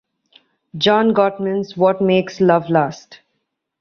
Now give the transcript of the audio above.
John Gottman's What Makes Love Last?